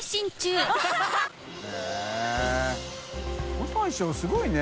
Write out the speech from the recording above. この大将すごいね。